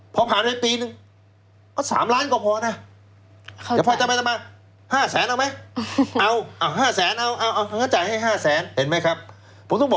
พอผ่านไว้ปีนึง